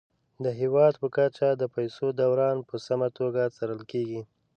د هیواد په کچه د پيسو دوران په سمه توګه څارل کیږي.